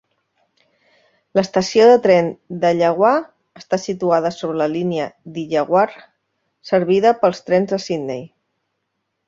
L'estació de tren d'Allawah està situada sobre la línia d'Illawarra, servida pels Trens de Sydney.